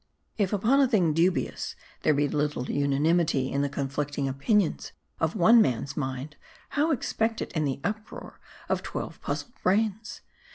" If upon a thing dubious, there be little unanimity in the conflicting opinions of one man's mind, how expect it in the uproar of twelve puzzled brains